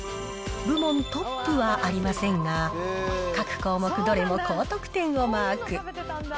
部門トップはありませんが、各項目どれも高得点をマーク。